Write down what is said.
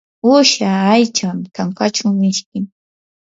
uusha aycha kankachaw mishkim.